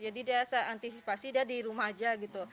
jadi dia saya antisipasi dia di rumah aja gitu